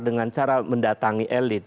dengan cara mendatangi elit